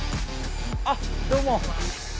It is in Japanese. あっどうも。